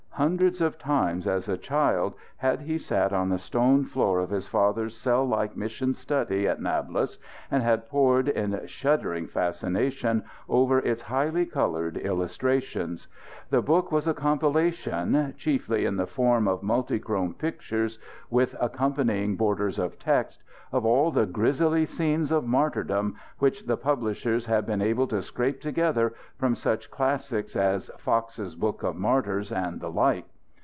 Hundreds of times, as a child, had he sat on the stone floor of his father's cell like mission study at Nablous, and had pored in shuddering fascination over its highly coloured illustrations. The book was a compilation chiefly in the form of multichrome pictures with accompanying borders of text of all the grisly scenes of martyrdom which the publishers had been able to scrape together from such classics as "Fox's Book of Martyrs" and the like.